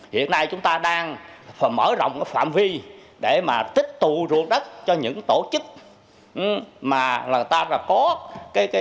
hiện nay chúng ta đang mở rộng phạm vi để tích tụ ruột đất cho những tổ chức mà người ta có tâm quyết để phát triển nông nghiệp